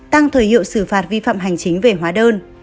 tăng thời hiệu xử phạt vi phạm hành chính về hóa đơn